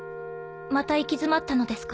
また行き詰まったのですか？